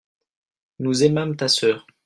nous aimâmes ta sœur.